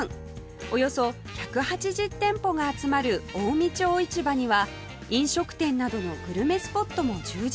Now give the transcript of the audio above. およそ１８０店舗が集まる近江町市場には飲食店などのグルメスポットも充実